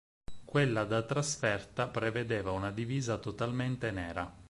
Quella da trasferta prevedeva una divisa totalmente nera.